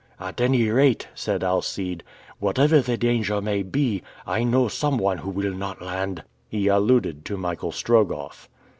"At any rate," said Alcide, "whatever the danger may be, I know some one who will not land!" He alluded to Michael Strogoff.